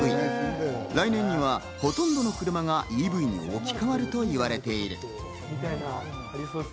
来年にはほとんどの車がＥＶに置き換わると言われている。